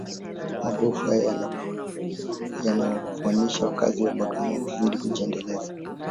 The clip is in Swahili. magofu hayo yanawanufaisha wakazi wa bagamoyo kuzidi kujiendeleza